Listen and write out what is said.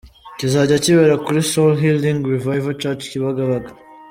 kizajya kibera kuri Soul Healing Revival Church Kibagabaga.